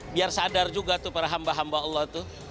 biar sadar juga para hamba hamba allah